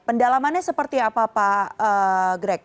pendalamannya seperti apa pak greg